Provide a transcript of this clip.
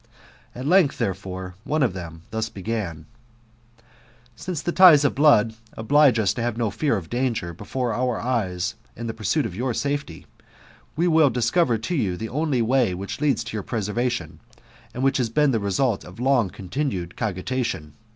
At length, therefore, one of them thus began :" Since the ties of blood oblige us to have no fear of danger before our eyes in the pursuit of your safety, we will discover to you the only way which leads to your preservation, and which has been the result Of long continued cogitation.